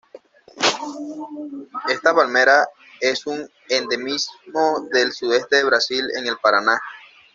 Esta palmera es un endemismo del sudeste del Brasil, en el de Paraná.